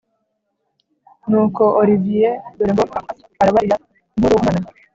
nuko olivier dore ngo arabarira inkuru umwana